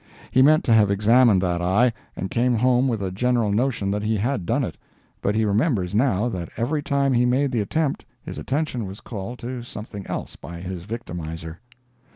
He meant to have examined that eye, and came home with a general notion that he had done it; but he remembers now that every time he made the attempt his attention was called to something else by his victimizer.